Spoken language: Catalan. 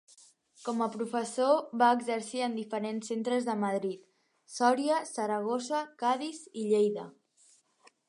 Com a professor va exercir en diferents centres de Madrid, Sòria, Saragossa, Cadis i Lleida.